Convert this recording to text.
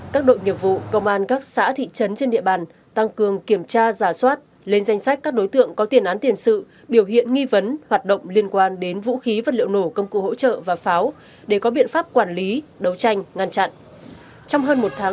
các đội nghiệp vụ công an các xã thị trấn trên địa bàn tăng cường kiểm tra giả soát lên danh sách các đối tượng có tiền án tiền sự biểu hiện nghi vấn hoạt động liên quan đến vũ khí vật liệu nổ công cụ hỗ trợ và pháo để có biện pháp quản lý đấu tranh ngăn chặn